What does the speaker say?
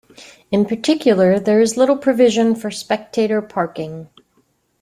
In particular, there is little provision for spectator parking.